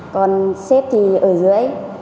còn xếp thì ở dưới